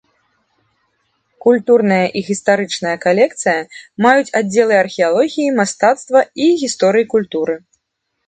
Культурная і гістарычная калекцыя маюць аддзелы археалогіі, мастацтва і гісторыі культуры.